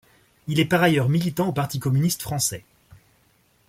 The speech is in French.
Il est par ailleurs militant au Parti communiste français.